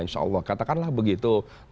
insya allah katakanlah begitu